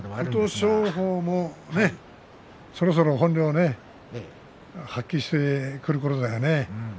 琴勝峰もそろそろ本領を発揮してくるころだよね。